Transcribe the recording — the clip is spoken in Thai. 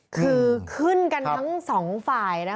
คือขึ้นกันทั้งสองฝ่ายนะคะ